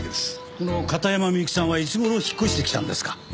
この片山みゆきさんはいつ頃引っ越してきたんですか？